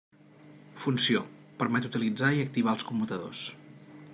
Funció: permet utilitzar i activar els commutadors.